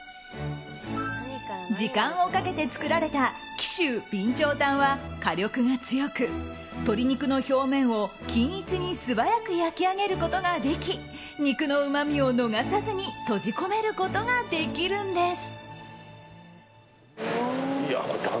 時間をかけて作られた紀州備長炭は火力が強く、鶏肉の表面を均一に素早く焼き上げることができ肉のうまみを逃さずに閉じ込めることができるんです。